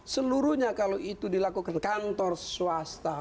seluruhnya kalau itu dilakukan kantor swasta